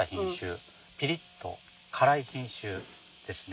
ピリッと辛い品種ですね。